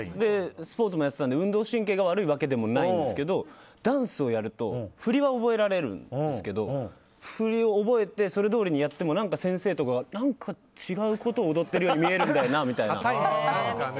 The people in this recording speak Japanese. スポーツもやっていたんで運動神経が悪いわけではないんですがダンスをやると振りは覚えられるんですけど振りを覚えてそれどおりにやっても先生とかが、何か違うことを踊っているように見えるんだよなみたいな。